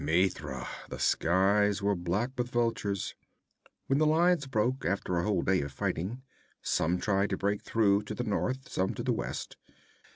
Mitra! The skies were black with vultures. When the lines broke, after a whole day of fighting, some tried to break through to the north, some to the west.